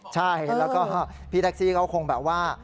ใช่แล้วก็พี่แท็กซี่เขาคงแบบว่า